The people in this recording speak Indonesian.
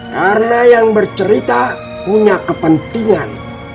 karena yang bercerita punya kepentingan